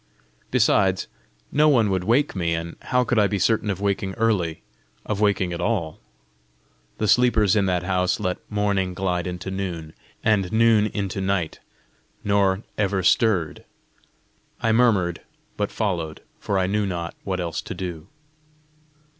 Besides, no one would wake me, and how could I be certain of waking early of waking at all? the sleepers in that house let morning glide into noon, and noon into night, nor ever stirred! I murmured, but followed, for I knew not what else to do.